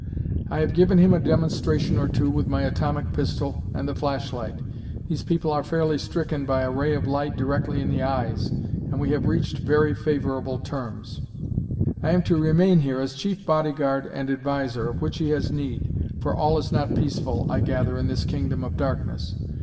"I have given him a demonstration or two with my atomic pistol and the flashlight these people are fairly stricken by a ray of light directly in the eyes and we have reached very favorable terms. "I am to remain here as chief bodyguard and adviser, of which he has need, for all is not peaceful, I gather, in this kingdom of darkness.